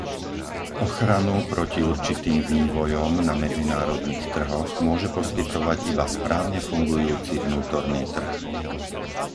Ochranu proti určitým vývojom na medzinárodných trhoch môže poskytovať iba správne fungujúci vnútorný trh.